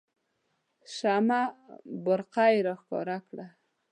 شمه بارقه یې راښکاره کړه.